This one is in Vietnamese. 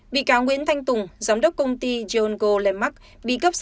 bị cáo nguyễn thanh tùng giám đốc công ty john golemac